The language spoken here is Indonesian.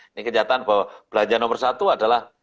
ini kenyataan bahwa belanja nomor satu adalah